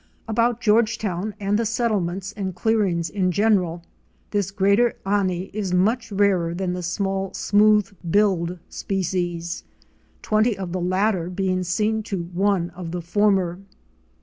About Georgetown and the settlements and clearings in general, this Greater Ani was much rarer then the small Smooth billed species, twenty of the latter being seen to one of the former.